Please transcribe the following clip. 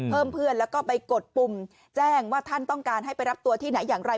เพื่อนแล้วก็ไปกดปุ่มแจ้งว่าท่านต้องการให้ไปรับตัวที่ไหนอย่างไร